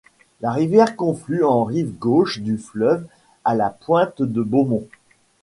La rivière conflue en rive gauche du fleuve à la pointe de Beaumont.